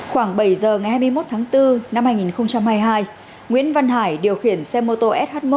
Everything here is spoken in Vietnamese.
khoảng bảy giờ ngày hai mươi một tháng bốn năm hai nghìn hai mươi hai nguyễn văn hải điều khiển xe mô tô sh một